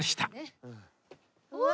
うわ！